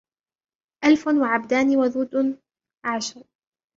أَلْفٌ وَعَبْدَانِ وَذُوَدٌ عَشْرٌ